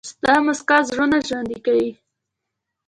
• ستا موسکا زړونه ژوندي کوي.